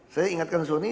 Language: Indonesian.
saya ingatkan suni